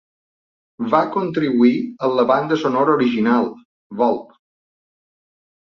Va contribuir en la banda sonora Original, Vol.